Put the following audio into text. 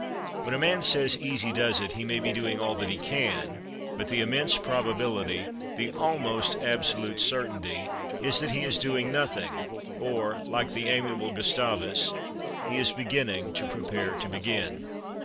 When a man says "Easy does it," he may be doing all that he can but the immense probability, the almost absolute certainty, is that he is doing nothing, or, like the amiable Gustavus, he is "beginning to prepare to begin."